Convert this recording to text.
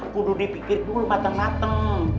tuduh dipikir dulu mateng mateng